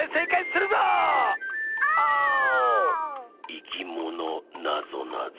「いきものなぞなぞ」